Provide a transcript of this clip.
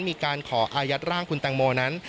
มีการขออายัดร่างคุณแตงโมนั้น